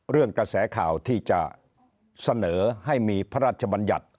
กระแสข่าวที่จะเสนอให้มีพระราชบัญญัติ